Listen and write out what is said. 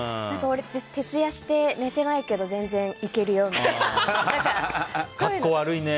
徹夜して寝てないけど全然いけるよみたいな。